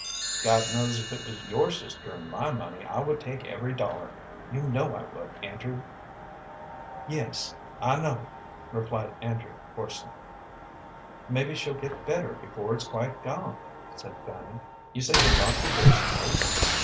"God knows if it was your sister and my money, I would take every dollar. You know I would, Andrew." "Yes, I know," replied Andrew, hoarsely. "Mebbe she'll get better before it's quite gone," said Fanny. "You say the doctor gave some hope?"